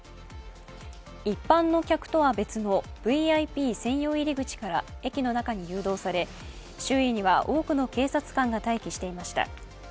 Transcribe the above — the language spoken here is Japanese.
一般の客とは別のＶＩＰ専用入り口から駅の中に誘導され、周囲には多くの警察官が待機していました。